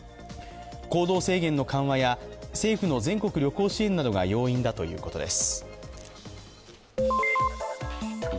行動制限の緩和や政府の全国旅行支援などが要因だということです。